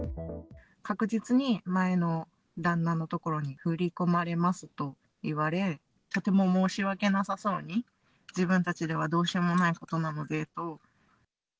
確実に前の旦那のところに振り込まれますと言われ、とても申し訳なさそうに、自分たちではどうしようもないことなのでと。